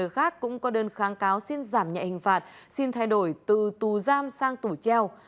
kháng cáo xin giảm nhạy hình phạt xin thay đổi từ tù giam sang tù treo